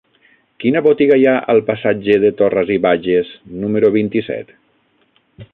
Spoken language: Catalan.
Quina botiga hi ha al passatge de Torras i Bages número vint-i-set?